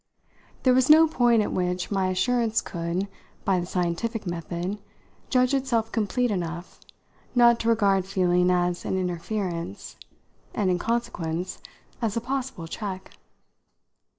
There was no point at which my assurance could, by the scientific method, judge itself complete enough not to regard feeling as an interference and, in consequence, as a possible check.